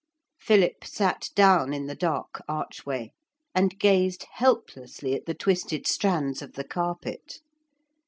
Philip sat down in the dark archway and gazed helplessly at the twisted strands of the carpet.